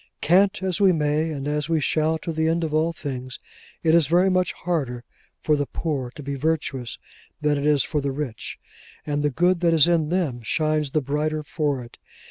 Cant as we may, and as we shall to the end of all things, it is very much harder for the poor to be virtuous than it is for the rich; and the good that is in them, shines the brighter for it.